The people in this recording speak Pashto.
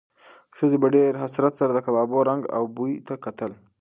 ښځې په ډېر حسرت سره د کبابو رنګ او بوی ته کتل.